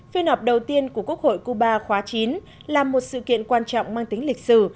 phiên họp đầu tiên của quốc hội cuba khóa chín là một sự kiện quan trọng mang tính lịch sử